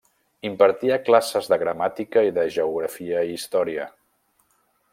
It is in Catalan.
Impartia classes de Gramàtica i de Geografia i Història.